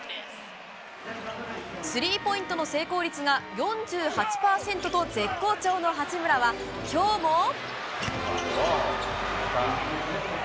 スリーポイントの成功率が４８％と絶好調の八村は今日も。